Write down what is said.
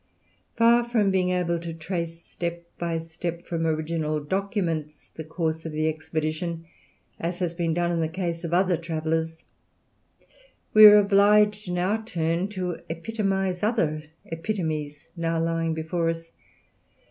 Far from being able to trace step by step from original documents the course of the expedition, as has been done in the case of other travellers, we are obliged in our turn to epitomize other epitomes now lying before us.